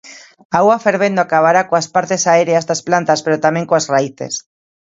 A auga fervendo acabará coas partes aéreas das plantas pero tamén coas raíces.